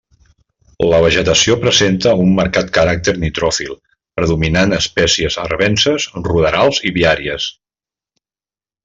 La vegetació presenta un marcat caràcter nitròfil predominant espècies arvenses, ruderals i viàries.